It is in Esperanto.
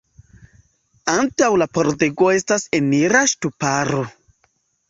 Antaŭ la pordego estas enira ŝtuparo.